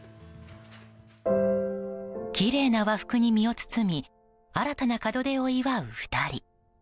きれいな和服に身を包み新たな門出を祝う２人。